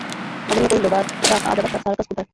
লাবণ্য কহিল, বাঃ, আজ আবার সার্কাস কোথায়?